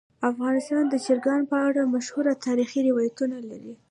افغانستان د چرګان په اړه مشهور تاریخی روایتونه لري.